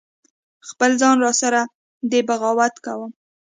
خپل ځان را سره دی بغاوت کوم